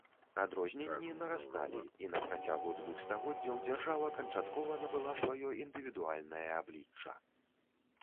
Адрозненні нарасталі, і на працягу двух стагоддзяў дзяржава канчаткова набыла сваё індывідуальнае аблічча.